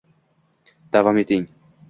davom eting 👇👇👇